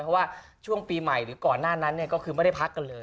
เพราะว่าช่วงปีใหม่หรือก่อนหน้านั้นก็คือไม่ได้พักกันเลย